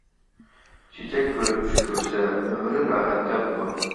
چېچەك كۆرۈپ چۈش كۆرسە ئۆمرى راھەتتە بولۇر.